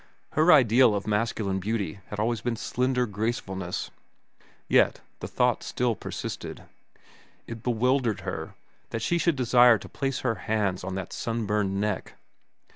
Her ideal of masculine beauty had always been slender gracefulness. Yet the thought still persisted. It bewildered her that she should desire to place her hands on that sunburned neck.